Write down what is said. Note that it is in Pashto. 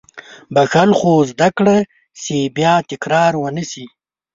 • بښل، خو زده کړه چې بیا تکرار ونه شي.